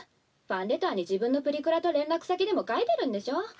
「ファンレターに自分のプリクラと連絡先でも書いてるんでしょ」